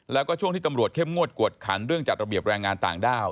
แล้วก็ช่วงที่ตำรวจเข้มงวดกวดขันเรื่องจัดระเบียบแรงงานต่างด้าว